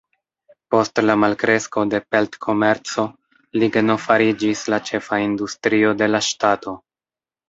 Post la malkresko de pelt-komerco, ligno fariĝis la ĉefa industrio de la ŝtato.